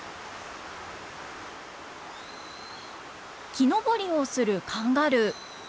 木登りをするカンガルー。